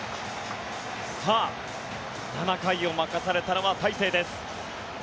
７回を任されたのは大勢です。